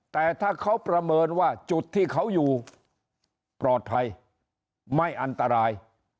แต่ถ้าเขาประเมินว่าจุดที่เขาอยู่ปลอดภัยไม่อันตราย